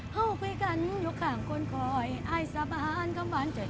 เข้าคุยกันอยู่ข้างคนคอยไอสะบาลข้ำบานจอย